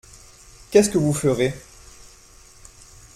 Qu’est-ce que vous ferez ?